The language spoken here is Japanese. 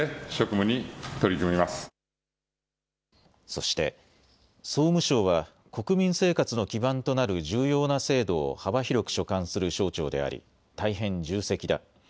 そして総務省は国民生活の基盤となる重要な制度を幅広く所管する省庁であり大変重責だ。